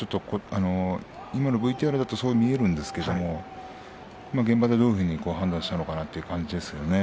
今のＶＴＲだとそう見えるんですが現場でどういうふうに判断したのかなという感じですね。